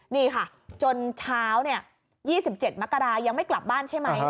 นี่ค่ะจนเช้า๒๗มกรายังไม่กลับบ้านใช่ไหม